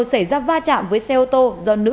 xảy ra va chạm với xe ô tô do nữ